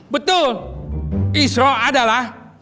betul isro adalah